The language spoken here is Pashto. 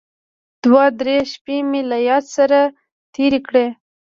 دوه درې شپې مې له ياره سره تېرې کړې.